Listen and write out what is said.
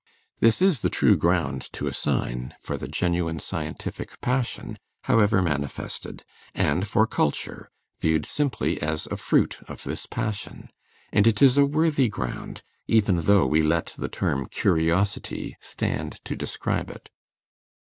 This is the true ground to assign for the genuine scientific passion, however manifested, and for culture, viewed simply as a fruit of this passion; and it is a worthy ground, even though we let the term curiosity stand to describe it.